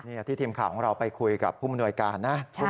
นี่ที่ทีมข่าวของเราไปคุยกับผู้มนวยการนะ